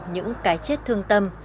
những cái chết thương tâm